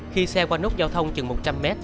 khi xe qua nút giao thông chừng một trăm linh m